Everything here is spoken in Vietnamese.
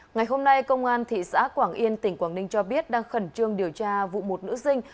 ngày hôm nay công an thị xã quảng yên tỉnh quảng ninh cho biết đang khẩn trương điều tra vụ một nữ sinh